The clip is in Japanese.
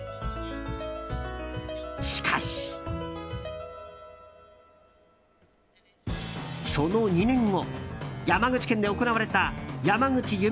しかし、その２年後山口県で行われた山口ゆめ